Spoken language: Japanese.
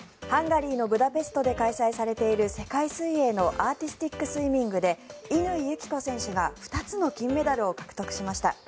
ハンガリーのブダペストで開催されている世界水泳のアーティスティックスイミングで乾友紀子選手が２つの金メダルを獲得しました。